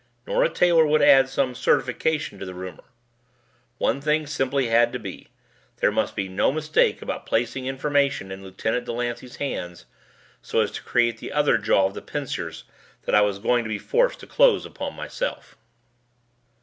Nora Taylor would add some certification to the rumor. One thing simply had to be: There must be no mistake about placing information in Lieutenant Delancey's hands so as to create the other jaw of the pincers that I was going to be forced to close upon myself.